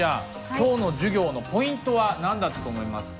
今日の授業のポイントは何だったと思いますか？